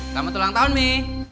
selamat ulang tahun mi